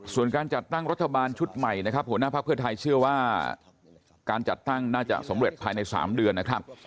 ส่วนการจัดตั้งรัฐบาลชุดใหม่นะครับหัวหน้าภักดิ์เพื่อไทยเชื่อว่าการจัดตั้งน่าจะสำเร็จภายใน๓เดือนนะครับ